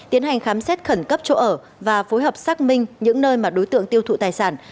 tiến hành khám xét khẩn cấp chỗ ở và phối hợp xác minh những nơi mà đối tượng tiêu thụ tài sản